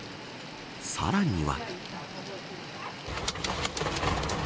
さらには。